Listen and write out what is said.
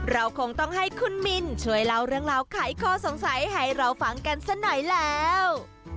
เราคงต้องให้คุณมินช่วยเล่าเรื่องราวไขข้อสงสัยให้เราฟังกันสักหน่อยแล้ว